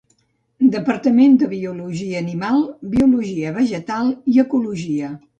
Departament de Biologia Animal, Biologia Vegetal i Ecologia.